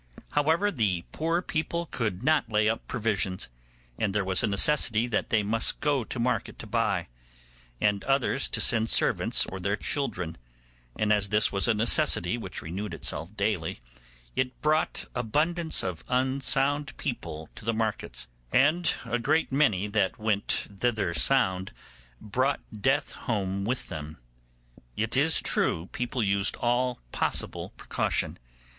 However, the poor people could not lay up provisions, and there was a necessity that they must go to market to buy, and others to send servants or their children; and as this was a necessity which renewed itself daily, it brought abundance of unsound people to the markets, and a great many that went thither sound brought death home with them. It is true people used all possible precaution.